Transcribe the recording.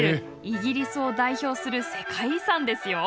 イギリスを代表する世界遺産ですよ。